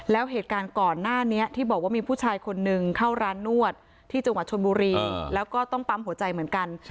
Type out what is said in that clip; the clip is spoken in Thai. แล้วเหตุการณ์ก่อนหน้านี้ที่บอกว่ามีผู้ชายคนนึงเข้าร้านนวดที่จังหวัดชนบุรีแล้วก็ต้องปั๊มหัวใจเหมือนกัน